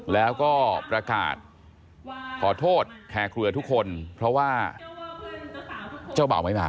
แล้วก็ประกาศขอโทษแคร์เครือทุกคนเพราะว่าเจ้าบ่าวไม่มา